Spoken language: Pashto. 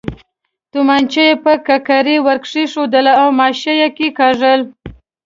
تومانچه یې پر ککرۍ ور کېښووله او ماشه یې کېکاږل.